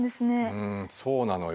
うんそうなのよ。